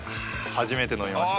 初めて飲みました。